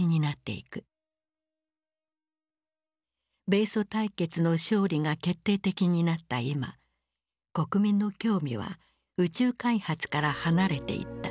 米ソ対決の勝利が決定的になった今国民の興味は宇宙開発から離れていった。